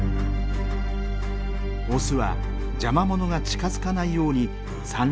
オスは邪魔者が近づかないように産卵を続ける